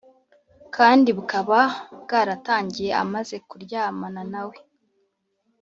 kandi bukaba bwaratangiye amaze kuryamana nawe